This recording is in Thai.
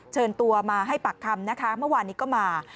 เชิญตัวมาให้ปากคำนะคะเมื่อวานนี้ก็มา